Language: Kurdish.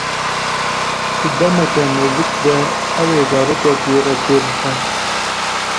Di demeke nêzik de ew ê zarokek jê re çêbibe.